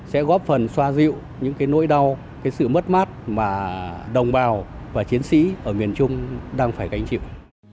sẽ góp phần xoa dịu những cái nỗi đau cái sự mất mát mà đồng bào và chiến sĩ ở miền trung đang phải gánh chịu